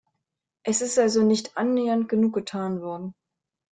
Es ist also nicht annähernd genug getan worden.